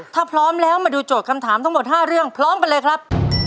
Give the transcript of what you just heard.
ถ้าพร้อมแล้วมาดูโจทย์คำถามทั้งหมด๕เรื่องพร้อมกันเลยครับ